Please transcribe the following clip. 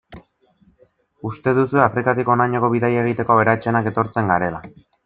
Uste duzue Afrikatik honainoko bidaia egiteko, aberatsenak etortzen garela.